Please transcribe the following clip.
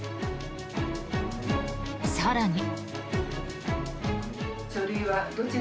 更に。